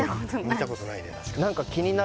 見たことないね